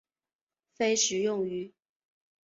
非食用鱼。